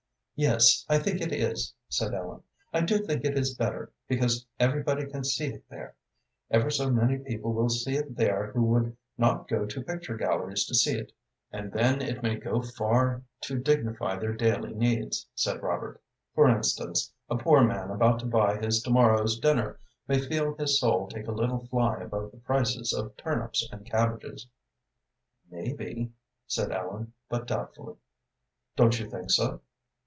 "Yes, I think it is," said Ellen. "I do think it is better, because everybody can see it there. Ever so many people will see it there who would not go to picture galleries to see it, and then " "And then it may go far to dignify their daily needs," said Robert. "For instance, a poor man about to buy his to morrow's dinner may feel his soul take a little fly above the prices of turnips and cabbages." "Maybe," said Ellen, but doubtfully. "Don't you think so?"